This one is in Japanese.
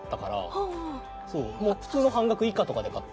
普通の半額以下とかで買って。